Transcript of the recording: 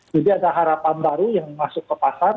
jadi ada harapan baru yang masuk ke pasar